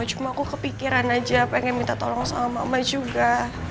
cuma aku kepikiran aja pengen minta tolong sama emak emak juga